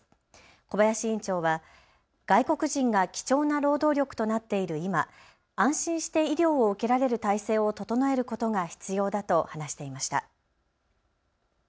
小林院長は外国人が貴重な労働力となっている今、安心して医療を受けられる体制を整えることが必要だと話していました。